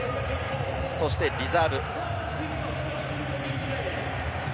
そしてリザーブです。